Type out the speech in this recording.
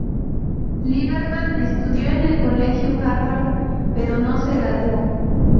Liberman estudió en el Colegio Harvard, pero no se graduó.